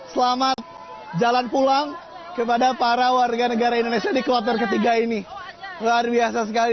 selamat jalan pulang kepada para warga negara indonesia di kloter ketiga ini luar biasa sekali